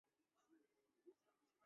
东京俳优生活协同组合所属。